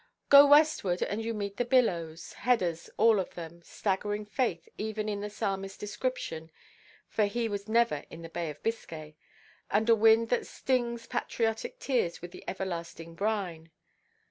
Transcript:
Go westward, and you meet the billows, headers all of them, staggering faith even in the Psalmistʼs description (for he was never in the Bay of Biscay), and a wind that stings patriotic tears with the everlasting brine.